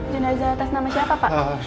jenazah atas nama siapa pak